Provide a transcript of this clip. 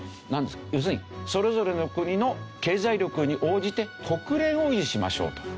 要するにそれぞれの国の経済力に応じて国連を維持しましょうと。